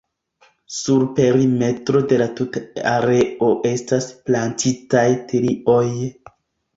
Sur perimetro de la tuta areo estas plantitaj tilioj.